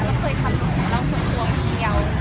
เราเคยทำงานส่วนตัวเพียงเดียว